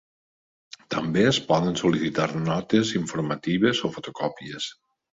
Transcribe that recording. També es poden sol·licitar notes informatives o fotocòpies.